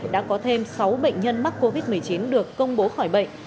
đã có thêm sáu bệnh nhân mắc covid một mươi chín được công bố khỏi bệnh